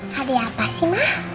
hadiah apa sih ma